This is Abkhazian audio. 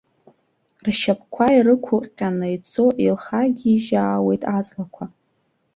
Ршьапқәа ирықәыҟьҟьаны ицо, илхагьежьаауеит аҵлақәа.